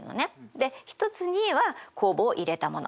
で一つには酵母を入れたもの